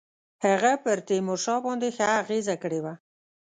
هغه پر تیمورشاه باندي ښه اغېزه کړې وه.